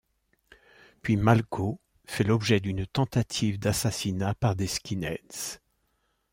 Puis Malko fait l'objet d'une tentative d'assassinat par des skinheads.